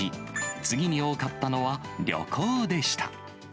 次に多かったのは旅行でした。